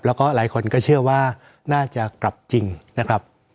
แล้วก็หลายคนก็เชื่อว่าน่าจะกลับจริงนะครับ